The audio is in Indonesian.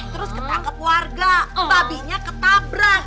terus ketangkep warga babinya ketabrak